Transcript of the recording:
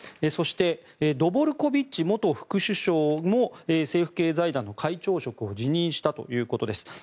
そしてドボルコビッチ元副首相も政府系財団の会長職を辞任したということです。